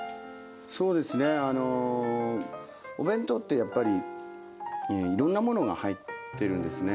そうですねあのお弁当ってやっぱりいろんなものが入ってるんですね。